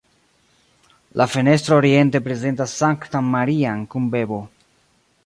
La fenestro oriente prezentas Sanktan Marian kun bebo.